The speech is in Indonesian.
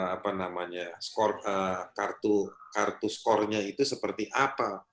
apa namanya kartu skornya itu seperti apa